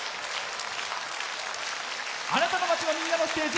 あなたの街の、みんなのステージ。